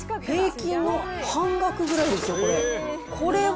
平均の半額ぐらいですよ、これ。